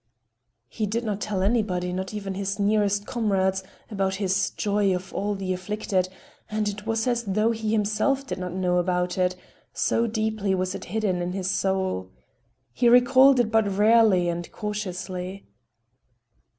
He did not tell anybody, not even his nearest comrades, about his "joy of all the afflicted" and it was as though he himself did not know about it,—so deeply was it hidden in his soul. He recalled it but rarely and cautiously.